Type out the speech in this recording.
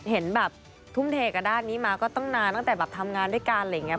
เห็นแบบทุ่มเทกับด้านนี้มาก็ตั้งนานตั้งแต่แบบทำงานด้วยกันอะไรอย่างนี้